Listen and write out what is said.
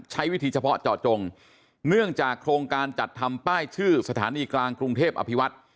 ใช้วิธีเฉพาะเจาะจงเนื่องจากโครงการจัดทำป้ายชื่อสถานีกลางกรุงเทพอภิวัตร